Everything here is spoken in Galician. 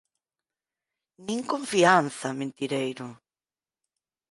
Nin confianza, mentireiro.